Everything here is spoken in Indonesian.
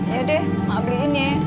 ya deh beliin ya